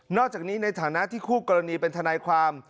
อกจากนี้ในฐานะที่คู่กรณีเป็นทนายความ